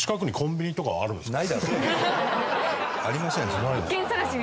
ありませんよ